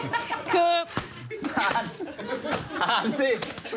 ถามจริง